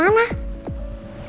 papa mau kemana